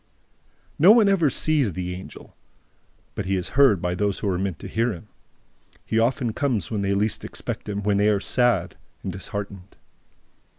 No one ever sees the Angel; but he is heard by those who are meant to hear him. He often comes when they least expect him, when they are sad and disheartened.